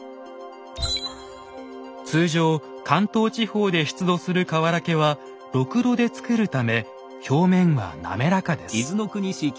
通常関東地方で出土するかわらけはろくろで使るため表面は滑らかです。